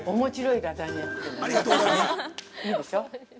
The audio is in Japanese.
いいでしょ？